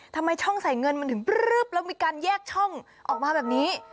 ทำไมช่องใส่เงินมันถึงปลึบแล้วมีการแยกช่องออกมาแบบนี้